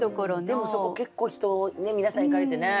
でもそこ本当結構人皆さん行かれてね。